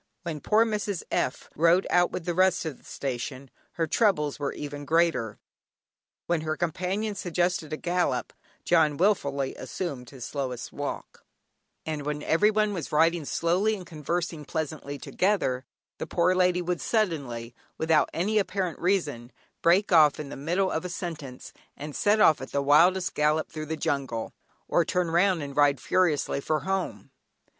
When poor Mrs. F. rode out with the rest of the station, her troubles were even greater. When her companions suggested a gallop, "John" wilfully assumed his slowest walk; and when everyone was riding slowly and conversing pleasantly together, the poor lady would suddenly, without any apparent reason, break off in the middle of a sentence, and set off at the wildest gallop through the jungle, or turn round and ride furiously for home.